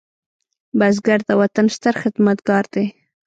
بزګر د وطن ستر خدمتګار دی